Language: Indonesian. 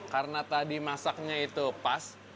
karena tadi masaknya itu pas